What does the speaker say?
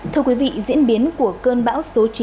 thưa quý vị diễn biến của cơn bão số chín